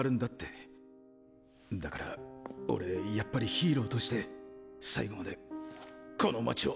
だから俺やっぱりヒーローとして最後までこの街を！